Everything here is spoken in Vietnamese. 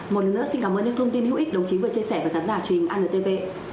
một lần nữa xin cảm ơn các thông tin hữu ích đồng chí vừa chia sẻ với khán giả truyền anntv